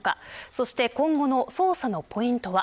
そして今後の捜査のポイントは。